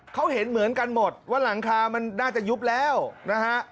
เขาเห็นเหมือนกันหมดว่าหลังคามันน่าจะยุบแล้วนะฮะ